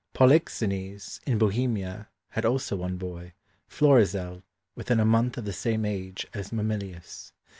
Polixenes, in Bohemia, had also one boy, Florizel, within a month of the same age as Mamillius.